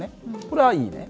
これはいいね？